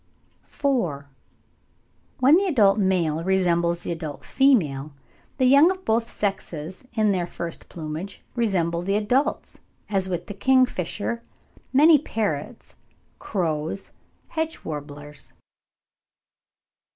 IV. When the adult male resembles the adult female, the young of both sexes in their first plumage resemble the adults, as with the kingfisher, many parrots, crows, hedge warblers.